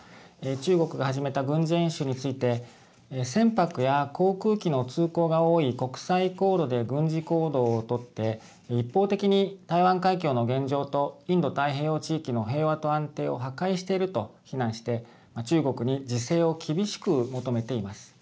中国が始めた軍事演習について船舶や航空機の通航が多い国際航路で軍事行動を取って、一方的に台湾海峡の現状とインド太平洋地域の平和と安定を破壊していると非難して中国に自制を厳しく求めています。